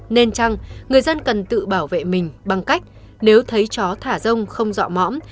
nên chăng người dân cần tự bảo vệ mình bằng cách nếu thấy chó thả rông không dọa mõm